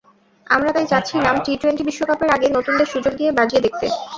আমরা তাই চাচ্ছিলাম টি-টোয়েন্টি বিশ্বকাপের আগে নতুনদের সুযোগ দিয়ে বাজিয়ে দেখতে।